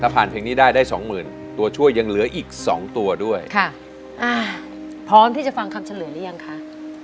พร้อมที่จะฟังคำเฉลยหรือยังคะ